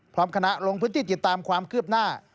พร้อมคณะลงพื้นที่ติดตามความคืบหน้า